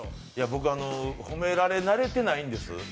僕、褒められ慣れてないんです。